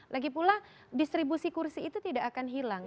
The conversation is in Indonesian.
lagipula distribusi kursi itu tidak akan hilang